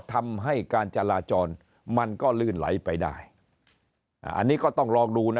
ทำให้การจราจรมันก็ลื่นไหลไปได้อ่าอันนี้ก็ต้องลองดูนะ